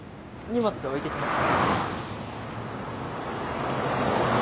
荷物置いてきます。